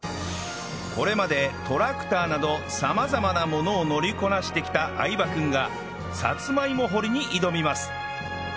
これまでトラクターなど様々なものを乗りこなしてきた相葉君がさつまいも掘りに挑みます